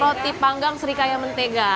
roti panggang serikaya mentega